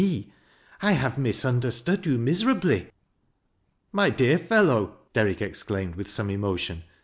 n«, I have misunderetood you miserably." '■ My dear fellow !" Derrick exclaimed, with some emo tion.